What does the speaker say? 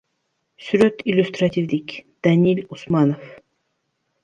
Сүрөт иллюстративдик, Даниль Усманов.